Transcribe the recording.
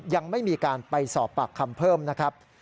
ยังไม่มีการไปสอบปากคำเพิ่มนะครับ